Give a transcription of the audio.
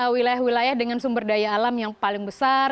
wilayah wilayah dengan sumber daya alam yang paling besar